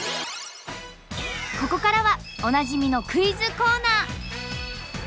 ここからはおなじみのクイズコーナー！